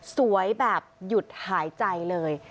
แบบหยุดหายใจเลย